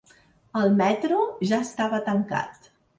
El metro ja estava tancat.